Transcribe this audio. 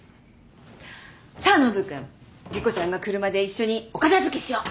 さあノブ君莉湖ちゃんが来るまで一緒にお片付けしよう。